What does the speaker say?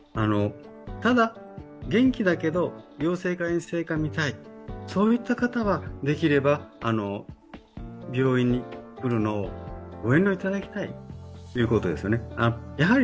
ただ元気だけど、陽性か陰性か見たい、できれば病院に来るのをご遠慮いただきたいということです。